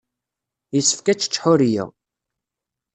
Yessefk ad tečč Ḥuriya.